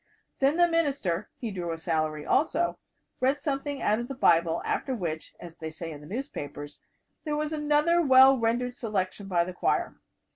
Then the minister he drew a salary, also read something out of the Bible, after which as they say in the newspapers "there was another well rendered selection by the choir."